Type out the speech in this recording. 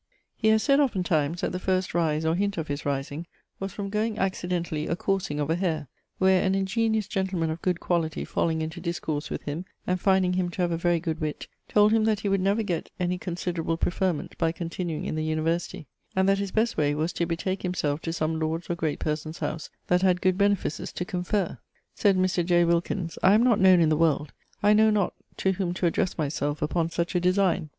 He has sayd oftentimes that the first rise, or hint of his rising, was from goeing accidentally a courseing of a hare: where an ingeniose gentleman of good quality falling into discourse with him, and finding him to have a very good witt, told him that he would never gett any considerable preferment by continuing in the university; and that his best way was to betake himselfe to some lord's or great person's house that had good benefices to conferre. Sayd Mr. J. Wilkins, 'I am not knowne in the world; I know not to whom to addresse myselfe upon such a designe.'